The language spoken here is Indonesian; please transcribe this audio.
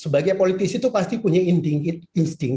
sebagai politisi itu pasti punya insting